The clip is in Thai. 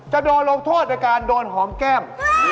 จะโดนลงโทษโดยการโดนหอมแก้ม